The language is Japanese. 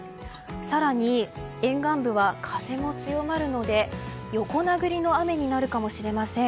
更に、沿岸部は風も強まるので横殴りの雨になるかもしれません。